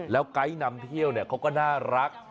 แล้วไกด์นำเที่ยวเขาก็น่ารัก